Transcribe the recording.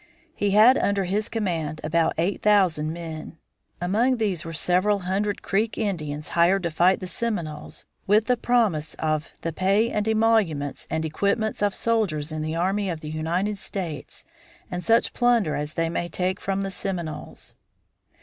He had under his command about eight thousand men. Among these were several hundred Creek Indians hired to fight the Seminoles with the promise of "the pay and emoluments, and equipments of soldiers in the army of the United States and such plunder as they may take from the Seminoles."